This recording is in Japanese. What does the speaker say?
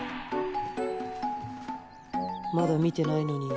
まだ見てないのに。